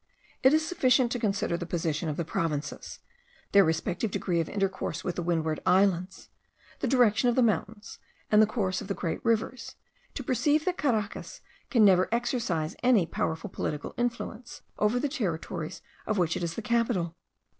It is sufficient to consider the position of the provinces, their respective degree of intercourse with the Windward Islands, the direction of the mountains, and the course of the great rivers, to perceive that Caracas can never exercise any powerful political influence over the territories of which it is the capital.